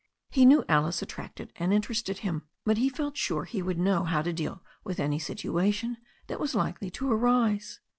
He knew Alice attracted and interested him. But he felt sure he would know how to deal with any situation that was likely to arise.